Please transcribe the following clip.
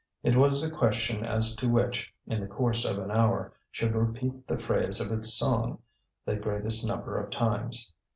It was a question as to which, in the course of an hour, should repeat the phrase of its song the greatest number of times.